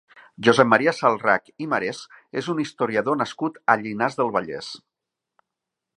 Josep Maria Salrach i Marès és un historiador nascut a Llinars del Vallès.